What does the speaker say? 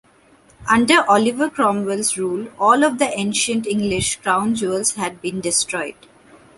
Under Oliver Cromwell's rule, all of the ancient English crown jewels had been destroyed.